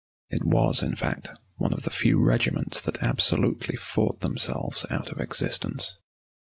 It was, in fact, one of the few regiments that absolutely fought themselves out of existence.